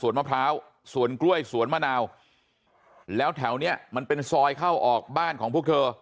มะพร้าวสวนกล้วยสวนมะนาวแล้วแถวเนี้ยมันเป็นซอยเข้าออกบ้านของพวกเธอ